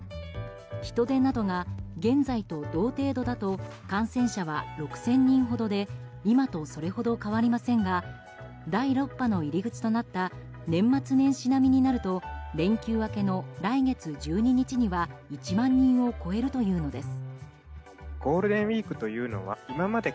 人出などが現在と同程度だと感染者は６０００人ほどで今とそれほど変わりませんが第６波の入り口となった年末年始並みになると連休明けの来月１２日には１万人を超えるというのです。